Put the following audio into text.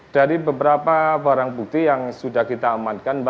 dari beberapa barang bukti yang sudah kita amankan